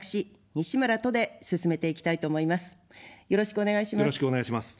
よろしくお願いします。